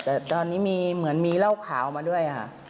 แต่ตอนนี้มีเหมือนมีเหล้าขาวมาด้วยค่ะ